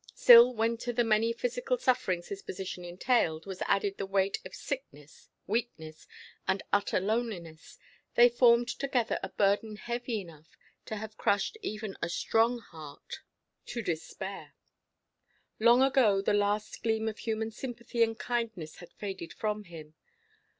Still, when to the many physical sufferings his position entailed was added the weight of sickness, weakness, and utter loneliness, they formed together a burden heavy enough to have crushed even a strong heart to despair. Long ago the last gleam of human sympathy and kindness had faded from him.